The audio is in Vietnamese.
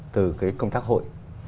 từ cái công tác hội